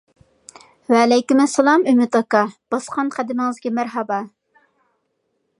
ۋەئەلەيكۇم ئەسسالام ئۈمىد ئاكا، باسقان قەدىمىڭىزگە مەرھابا!